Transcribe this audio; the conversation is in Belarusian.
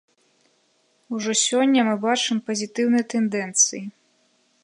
Ужо сёння мы бачым пазітыўныя тэндэнцыі.